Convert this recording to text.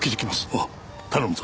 ああ頼むぞ。